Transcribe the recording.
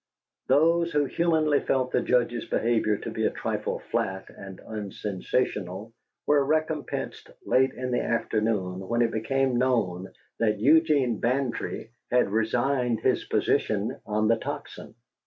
Those who humanly felt the Judge's behavior to be a trifle flat and unsensational were recompensed late in the afternoon when it became known that Eugene Bantry had resigned his position on the Tocsin.